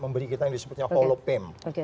memberi kita yang disebutnya holopem